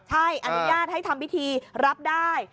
ใช่อนุญาตให้ทำพิธีรับได้